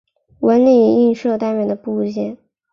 纹理映射单元的部件。